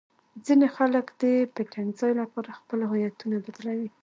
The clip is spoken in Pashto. ځینې خلک د پټنځای لپاره خپلې هویتونه بدلوي.